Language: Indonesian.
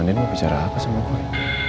nen mau bicara sama aku ya